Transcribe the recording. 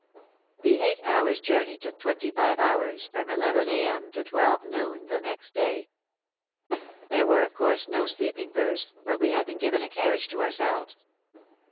The eight hours' journey took twenty five hours, from 11 a.m. to 12 noon next day. There were of course no sleeping berths, but we had been given a carriage to ourselves.